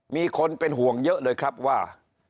มีคนเป็นห่วงเยอะเลยครับว่า